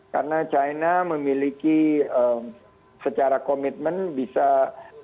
karena china memiliki secara komitmen bisa menjaga kemampuan